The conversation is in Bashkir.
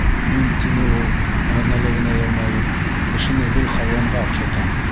— Мин, — тине ул, мәғәнәле генә йылмайып, — кешене гел хайуанға оҡшатам.